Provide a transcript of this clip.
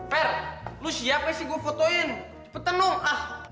ver lo siap gak sih gue fotoin cepetan dong